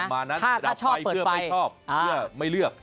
ประมาณนั้นดับไฟเพื่อไม่ชอบเพื่อไม่เลือก